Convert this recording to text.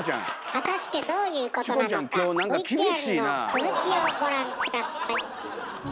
果たしてどういうことなのかＶＴＲの続きをご覧下さい。